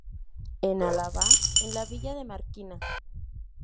En Álava: En la villa de Marquina.